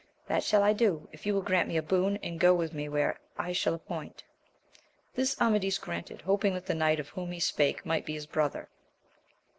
— That shall I do, if you will grant me a boon, and go with me where I shall appoint. This Amadis granted, hoping that the knight of whom he spake might be his brother.